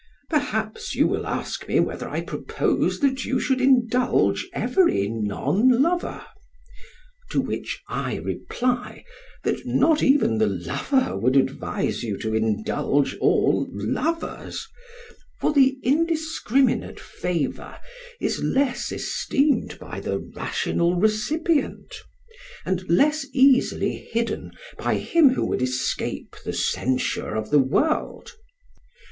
'Perhaps you will ask me whether I propose that you should indulge every non lover. To which I reply that not even the lover would advise you to indulge all lovers, for the indiscriminate favour is less esteemed by the rational recipient, and less easily hidden by him who would escape the censure of the world.